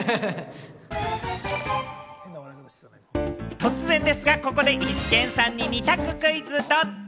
突然ですがここでイシケンさんに二択クイズ、ドッチ？